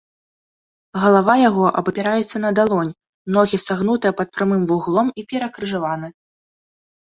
Галава яго абапіраецца на далонь, ногі сагнутыя пад прамым вуглом і перакрыжаваны.